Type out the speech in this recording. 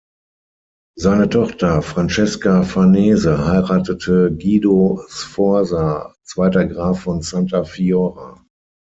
Seine Tochter Francesca Farnese heiratete Guido Sforza, zweiter Graf von Santa Fiora.